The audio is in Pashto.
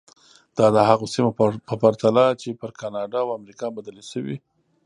دا د هغو سیمو په پرتله چې پر کاناډا او امریکا بدلې شوې.